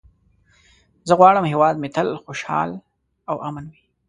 زه غواړم هېواد مې تل خوشحال او امن وي.